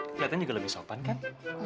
kelihatan juga lebih sopan kan